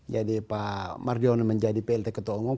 jadi pak mariono menjadi plt ketua umum